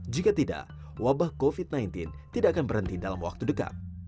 jika tidak wabah covid sembilan belas tidak akan berhenti dalam waktu dekat